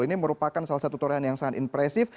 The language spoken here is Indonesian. ini merupakan salah satu torian yang sangat impresif